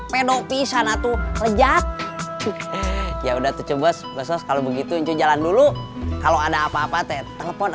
pedok pisang atuh lejat ya udah tuh cebos kalau begitu jalan dulu kalau ada apa apa teh telepon